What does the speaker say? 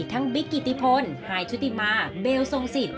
ทั้งบิ๊กกิติพลหายชุติมาเบลสงสิทธิ์